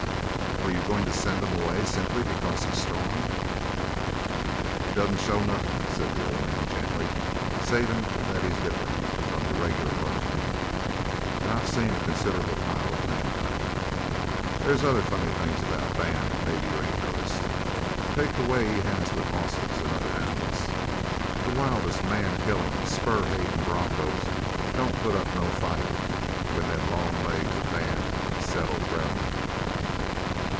"Are you going to send him away simply because he's strong?" "It doesn't show nothin'," said the old man gently, "savin' that he's different from the regular run of men an' I've seen a considerable pile of men, honey. There's other funny things about Dan maybe you ain't noticed. Take the way he has with hosses an' other animals. The wildest man killin', spur hatin' bronchos don't put up no fight when them long legs of Dan settle round 'em."